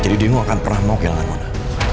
jadi diego akan pernah mau kehilangan mona